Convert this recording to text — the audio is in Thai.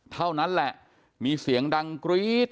เท่านั้นแหละมีเสียงดังกรี๊ด